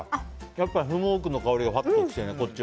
やっぱりスモークの香りがふぁっと来てね。